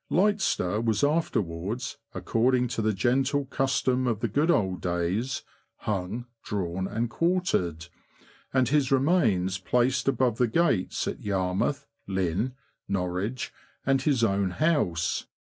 Litester was afterwards, according to the gentle custom of the good old days, hung, drawn, and quartered, and his remains placed above the gates at Yarmouth, Lynn, Norwich, and his own house.